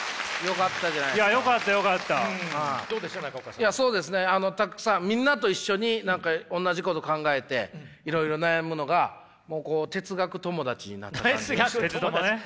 いやそうですねたくさんみんなと一緒に何か同じこと考えていろいろ悩むのがもうこう哲学友達になった感じがして。